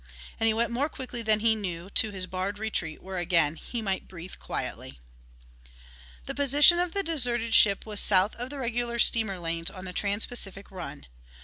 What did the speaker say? And he went more quickly than he knew to his barred retreat where again he might breathe quietly. The position of the deserted ship was south of the regular steamer lanes on the TransPacific run.